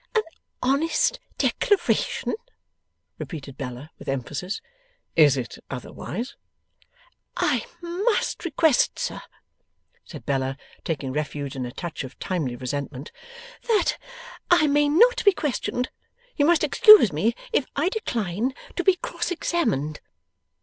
'An honest declaration!' repeated Bella, with emphasis. 'Is it otherwise?' 'I must request, sir,' said Bella, taking refuge in a touch of timely resentment, 'that I may not be questioned. You must excuse me if I decline to be cross examined.